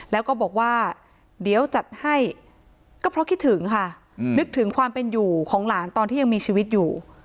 แล้วก็บอกว่าเดี๋ยวจัดให้ก็เพราะคิดถึงค่ะนึกถึงความเป็นอยู่ของหลานตอนที่ยังมีชีวิตอยู่